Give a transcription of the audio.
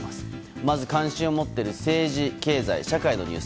まず関心を持っている政治・経済・社会のニュース。